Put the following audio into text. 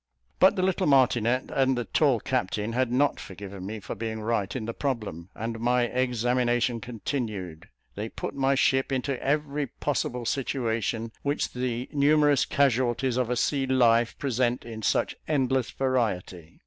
But the little martinet and the tall captain had not forgiven me for being right in the problem, and my examination continued. They put my ship into every possible situation which the numerous casualties of a sea life present in such endless variety.